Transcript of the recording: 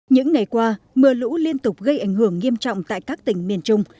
những ngày qua mưa lũ liên tục gây ảnh hưởng nghiêm trọng tại các tỉnh miền trung